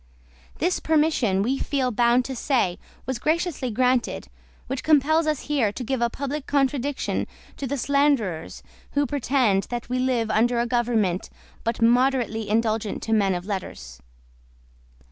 This permission, we feel bound to say, was graciously granted; which compels us here to give a public contradiction to the slanderers who pretend that we live under a government but moderately indulgent to men of letters.